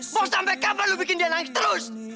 mau sampe kapan lo bikin dia nangis terus